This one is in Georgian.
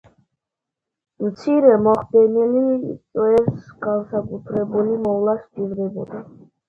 მცირე, მოხდენილ წვერს განსაკუთრებული მოვლა სჭირდება.